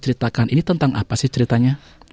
ini tentang apa sih ceritanya